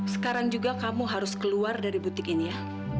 sekarang juga kamu harus keluar dari butik ini ya